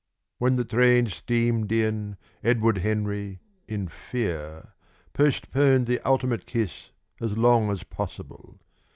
When the train steamed in, Edward Henry, in fear, postponed the ultimate kiss as long as possible.